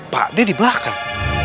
pak d di belakang